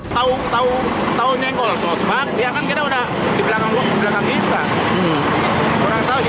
tahu tahu tahunya kalau sos bak dia kan kira udah di belakang gue di belakang dia juga